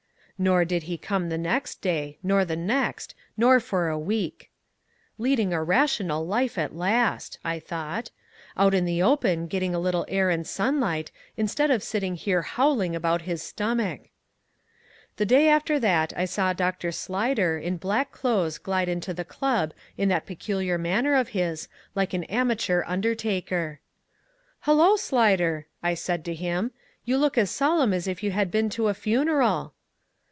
Nor did he come the next day, nor the next, nor for a week. "Leading a rational life at last," I thought. "Out in the open getting a little air and sunlight, instead of sitting here howling about his stomach." The day after that I saw Dr. Slyder in black clothes glide into the club in that peculiar manner of his, like an amateur undertaker. "Hullo, Slyder," I called to him, "you look as solemn as if you had been to a funeral."